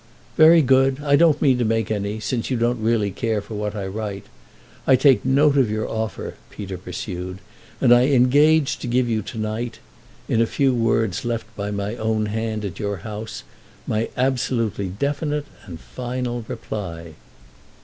"Very good—I don't mean to make any, since you don't really care for what I write. I take note of your offer," Peter pursued, "and I engage to give you to night (in a few words left by my own hand at your house) my absolutely definite and final reply."